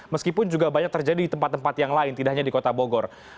meskipun juga banyak terjadi di tempat tempat yang lain tidak hanya di kota bogor